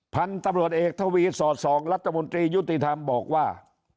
พันธุ์ตำรวจเอกทวีสอดส่องรัฐมนตรียุติธรรมบอกว่า